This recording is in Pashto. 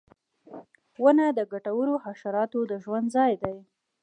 • ونه د ګټورو حشراتو د ژوند ځای دی.